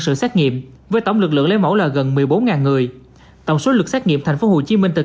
sự xét nghiệm với tổng lực lượng lấy mẫu là gần một mươi bốn người tổng số lực xét nghiệm tp hcm từ